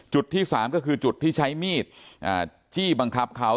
ที่๓ก็คือจุดที่ใช้มีดจี้บังคับเขา